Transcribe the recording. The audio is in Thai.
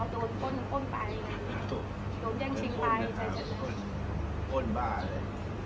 ต้องยังชิงไปโอ้นบ้าเลย